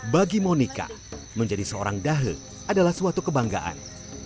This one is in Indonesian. bagi monika menjadi seorang dahel adalah suatu kebanggaan